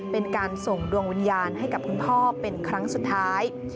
เป็นการส่งดวงวิญญาณให้กับคุณพ่อเป็นครั้งสุดท้าย